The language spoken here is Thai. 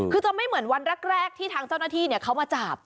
คือจะไม่เหมือนวันแรกที่ทางเจ้าหน้าที่เขามาจับ